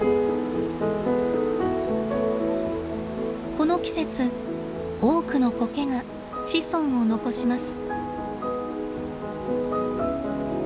この季節多くのコケが子孫を残します。